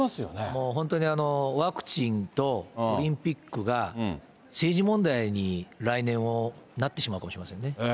もう本当にワクチンとオリンピックが政治問題に、来年もなってしまうかもしれませんね。